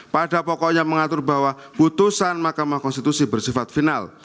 pada pokoknya mengatur bahwa putusan mahkamah konstitusi bersifat final